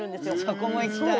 そこも行きたい！